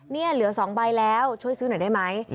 นี่เหลือ๒ใบแล้วช่วยซื้อหน่อยได้ไหม